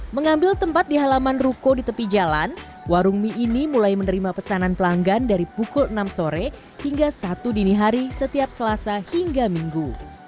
mengambil tempat di halaman ruko di tepi jalan warung mie ini mulai menerima pesanan pelanggan dari pukul enam sore hingga satu dini hari setiap selasa hingga minggu